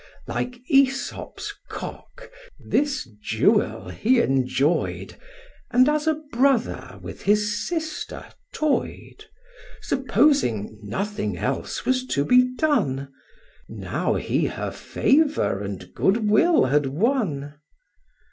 Like Æsop's cock, this jewel he enjoy'd, And as a brother with his sister toy'd, Supposing nothing else was to be done, Now he her favour and goodwill had won.